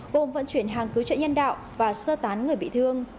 gồm vận chuyển hàng cứu trợ nhân đạo và sơ tán người bị thương